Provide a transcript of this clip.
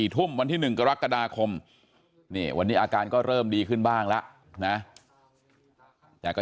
ทุ่มวันที่๑กรกฎาคมวันนี้อาการก็เริ่มดีขึ้นบ้างแล้วนะแต่ก็